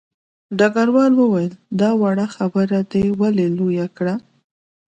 ډګروال وویل چې دا وړه خبره دې ولې لویه کړه